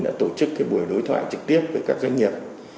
đã tổ chức buổi đối thoại trực tiếp với các doanh nghiệp